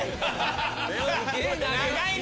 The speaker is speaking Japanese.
長いな！